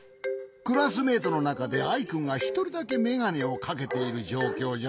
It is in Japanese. クラスメートのなかでアイくんがひとりだけめがねをかけているじょうきょうじゃ。